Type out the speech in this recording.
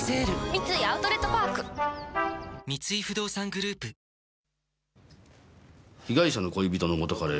三井アウトレットパーク三井不動産グループ被害者の恋人の元カレ